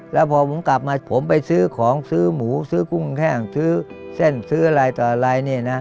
แล้วพอผมกลับมาผมไปซื้อของซื้อหมูซื้อกุ้งแห้งซื้อเส้นซื้ออะไรต่ออะไรเนี่ยนะ